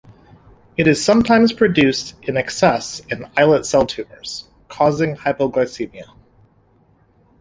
It is sometimes produced in excess in islet cell tumors, causing hypoglycemia.